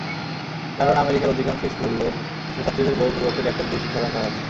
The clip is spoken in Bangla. কারণ, আমেরিকার অধিকাংশ স্কুলে ছাত্রছাত্রীদের বইয়ের পরিবর্তে ল্যাপটপ দিয়ে শিক্ষাদান করা হচ্ছে।